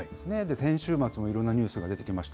先週末もいろんなニュースが出てきました。